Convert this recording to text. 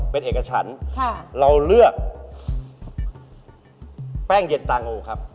แป้งเย็นตรางูครับ